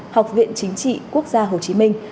học viện chính trị quốc gia hồ chí minh